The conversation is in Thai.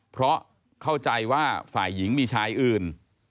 เพราะเข้าใจว่าฝ่ายหญิงมีชายอื่น